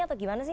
atau gimana sih